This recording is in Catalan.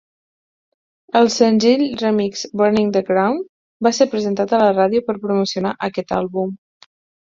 El senzill remix "Burning the Ground" va ser presentat a la ràdio per promocionar aquest àlbum.